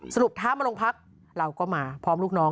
ท้ามาโรงพักเราก็มาพร้อมลูกน้อง